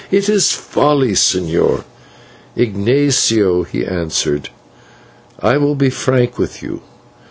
It is folly, señor." "Ignatio," he answered, "I will be frank with you.